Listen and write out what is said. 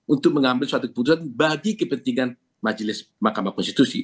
untuk mengambil suatu keputusan bagi kepentingan majelis mahkamah konstitusi